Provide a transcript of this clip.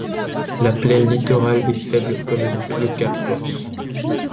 La plaine littorale est faible comme dans tout le Cap Corse.